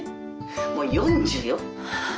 もう４０よ